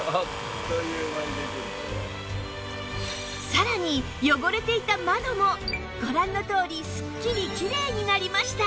さらに汚れていた窓もご覧のとおりスッキリきれいになりました